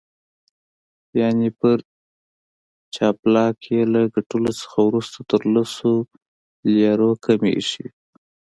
یعني پر جاپلاک یې له ګټلو څخه وروسته تر لسو لیرو کمې ایښي وې.